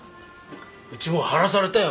うちも貼らされたよ